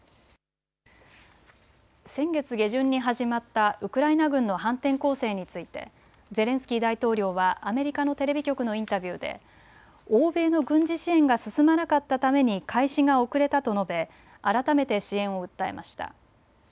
先月下旬に始まったウクライナ軍の反転攻勢についてゼレンスキー大統領はアメリカのテレビ局のインタビューで欧米の軍事支援が進まなかったために開始が遅れたと述べ改めて支援を訴えました。